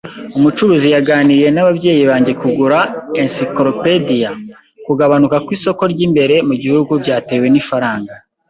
Umucuruzi yaganiriye n'ababyeyi banjye kugura encyclopediya. Kugabanuka kw'isoko ry'imbere mu gihugu byatewe n'ifaranga.